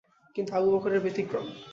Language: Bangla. কিন্তু আবু বকর এর ব্যতিক্রম।